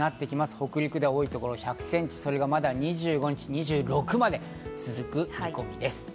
北陸では多い所で１００センチ、それが２５日、２６日まで続く見込みです。